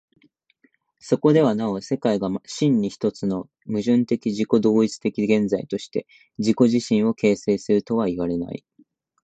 そこではなお世界が真に一つの矛盾的自己同一的現在として自己自身を形成するとはいわれない。